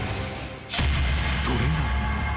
［それが］